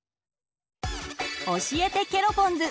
教えてケロポンズ！